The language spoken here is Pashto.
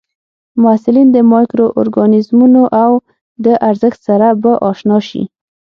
محصلین د مایکرو ارګانیزمونو او د ارزښت سره به اشنا شي.